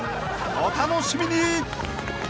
お楽しみに］